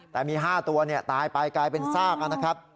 แต่มี๕ตัวตายไปกลายเป็นซากนะครับ